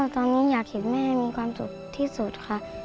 ตอนนี้อยากเห็นแม่มีความสุขที่สุดค่ะ